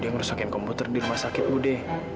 dia ngerusakin komputer di rumah sakit ud